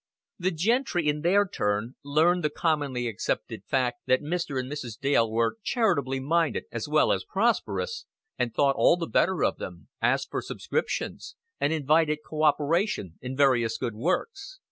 The gentry, in their turn, learned the commonly accepted fact that Mr. and Mrs. Dale were charitably minded as well as prosperous, and thought all the better of them, asked for subscriptions, and invited cooperation in various good works.